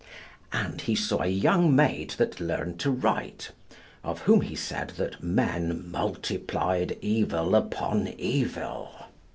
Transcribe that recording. And he saw a young maid that learned to write, of whom he said that men multiplied evil upon evil.